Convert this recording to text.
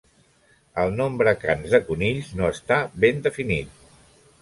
El nombre cans de conills no està ben definit.